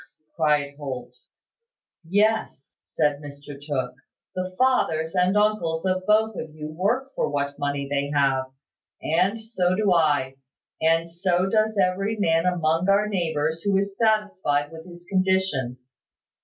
cried Holt. "Yes," said Mr Tooke. "The fathers and uncles of both of you work for what money they have; and so do I; and so does every man among our neighbours who is satisfied with his condition.